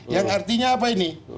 yang artinya apa ini